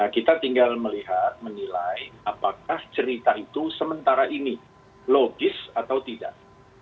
kita tinggal melihat menilai apakah cerita itu sementara ini logis atau tidak